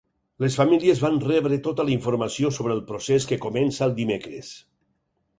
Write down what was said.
Les famílies van rebre tota la informació sobre el procés que comença el dimecres.